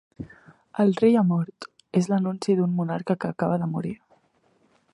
"El rei ha mort" és l'anunci d'un monarca que acaba de morir.